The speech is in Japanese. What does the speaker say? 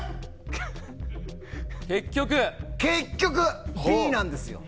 結局Ｂなんですよ。